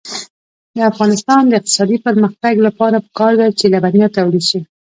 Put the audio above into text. د افغانستان د اقتصادي پرمختګ لپاره پکار ده چې لبنیات تولید شي.